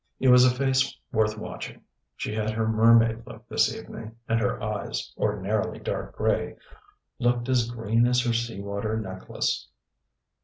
It was a face worth watching. She had her mermaid look this evening, and her eyes ordinarily dark grey looked as green as her sea water necklace.